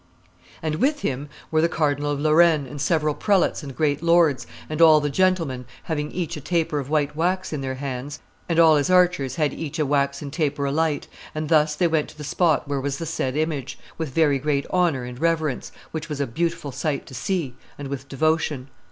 And with him were the Cardinal of Lorraine, and several prelates and great lords, and all the gentlemen, having each a taper of white wax in their hands, and all his archers had each a waxen taper alight, and thus they went to the spot where was the said image, with very great honor and reverence, which was a beautiful sight to see, and with devotion."